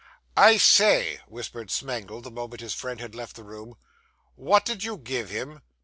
'I say,' whispered Smangle, the moment his friend had left the room; 'what did you give him?